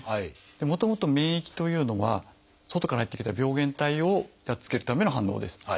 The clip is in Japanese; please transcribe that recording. もともと免疫というのは外からやって来た病原体をやっつけるための反応です。